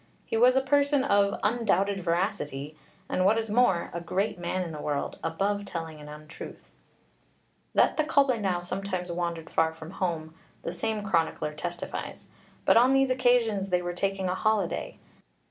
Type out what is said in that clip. He was a person of 'undoubted veracity,' and what is more, 'a great man in the world above telling an untruth.' That the Coblynau sometimes wandered far from home, the same chronicler testifies; but on these occasions they were taking a holiday.